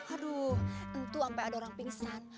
aduh tentu sampai ada orang pingsan